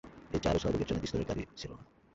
এই চার ও ছয় বগির ট্রেনে দ্বি-স্তরের গাড়ি ছিল না।